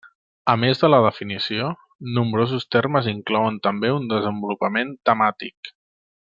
A més de la definició, nombrosos termes inclouen també un desenvolupament temàtic.